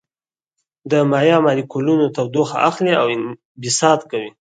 د مایع مالیکولونه تودوخه اخلي او انبساط کوي.